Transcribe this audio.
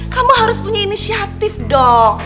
kamu harus punya inisiatif dok